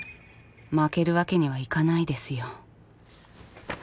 負けるわけにはいかないですよ。